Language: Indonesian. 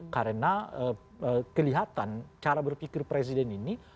karena kelihatan cara berpikir presiden ini